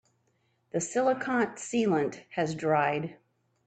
The silicon sealant has dried.